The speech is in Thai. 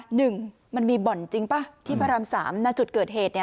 หนึ่งมันมีบ่อนจริงป่ะที่พระรามสามณจุดเกิดเหตุเนี่ย